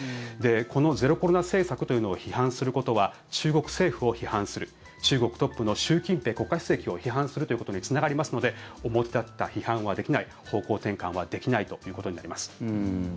このゼロコロナ政策というのを批判することは中国政府を批判する中国トップの習近平国家主席を批判するということにつながりますので表立った批判はできない方向転換はできないということになります。